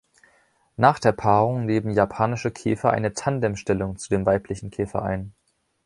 Nach der Paarung nehmen japanische Käfer eine Tandem-Stellung zu dem weiblichen Käfer ein.